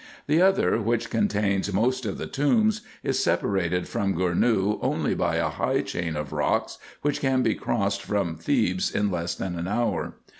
The other, which contains most of the tombs, is separated from Gournou only by a high chain of rocks, which can be crossed from Thebes in less than an hour.